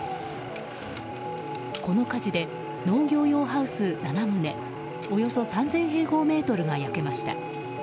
この火事で、農業用ハウス７棟およそ３０００平方メートルが焼けました。